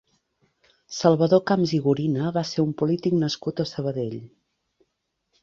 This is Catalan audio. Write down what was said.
Salvador Camps i Gorina va ser un polític nascut a Sabadell.